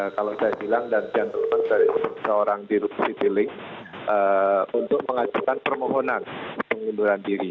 kalau saya bilang dan gentlement dari seorang dirut citylink untuk mengajukan permohonan pengunduran diri